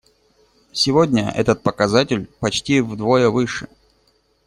Сегодня этот показатель почти вдвое выше.